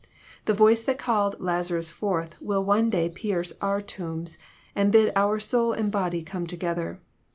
The voice that called Lazarus forth will one day pierce our tombs, and bid soul and body come together.